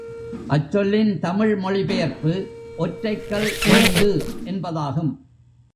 அச் சொல்லின் தமிழ் மொழி பெயர்ப்பு, ஒற்றைக்கல் மண்டு என்பதாகும்.